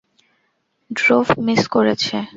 Drove miss করেছে।